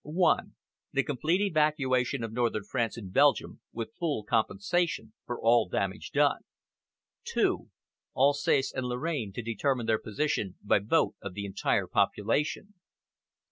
1. The complete evacuation of Northern France and Belgium, with full compensation for all damage done. 2. Alsace and Lorraine to determine their position by vote of the entire population.